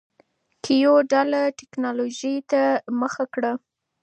کیو ډله ټکنالوجۍ ته مخه کړه.